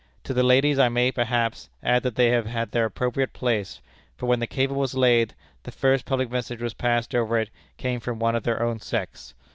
To the ladies I may, perhaps, add, that they have had their appropriate place, for when the cable was laid, the first public message that passed over it came from one of their own sex.